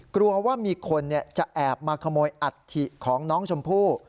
กลัวว่ามีคนจะแอบมาขโมยอัฐิของน้องชมพู่